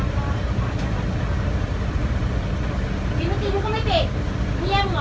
เดี๋ยวพิษก็อยู่อยู่เองอ่ะ